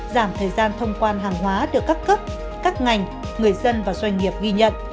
giảm thời gian thông quan hàng hóa được các cấp các ngành người dân và doanh nghiệp ghi nhận